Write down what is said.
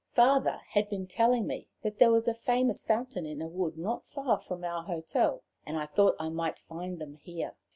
Father had been telling me that there was a famous fountain in a wood not far from our hotel, and I thought I might find them here.